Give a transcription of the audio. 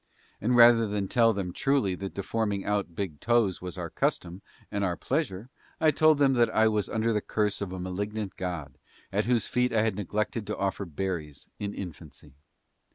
And rather than tell them truly that deforming out big toes was our custom and our pleasure I told them that I was under the curse of a malignant god at whose feet I had neglected to offer berries in infancy.